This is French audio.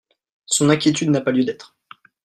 Son inquiétude n’a pas lieu d’être.